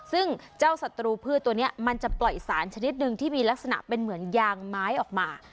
ซึ่งเจ้าศัตรูพืชตัวนี้มันจะปล่อยสารชนิดหนึ่งที่มีลักษณะเป็นเหมือนยางไม้ออกมา